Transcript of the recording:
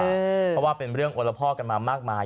เพราะว่าเป็นเรื่องโอละพ่อกันมามากมาย